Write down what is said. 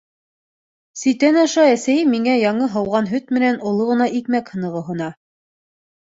Ситән аша әсәйем миңә яңы һауған һөт менән оло ғына икмәк һынығы һона.